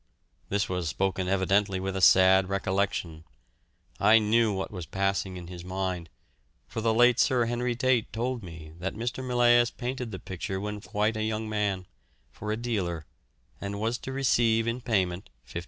This was spoken evidently with a sad recollection. I knew what was passing in his mind, for the late Sir Henry Tate told me that Mr. Millais painted the picture when quite a young man, for a dealer, and was to receive in payment £50.